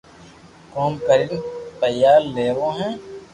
ڪوم ڪرين پيا ليو ھون